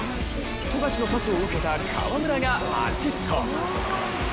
富樫のパスを受けた河村がアシスト。